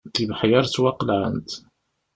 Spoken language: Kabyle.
Tibeḥyar ttwaqelɛent.